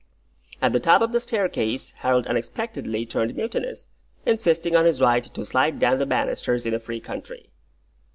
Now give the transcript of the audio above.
At the top of the staircase Harold unexpectedly turned mutinous, insisting on his right to slide down the banisters in a free country.